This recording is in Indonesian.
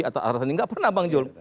atas arahan ini nggak pernah bang jul